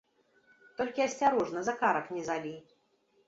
Толькі асцярожна, за карак не залі.